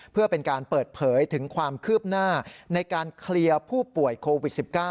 เพื่อเป็นการเปิดเผยถึงความคืบหน้าในการเคลียร์ผู้ป่วยโควิด๑๙